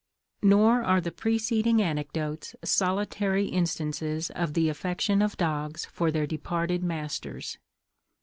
Nor are the preceding anecdotes solitary instances of the affection of dogs for their departed masters.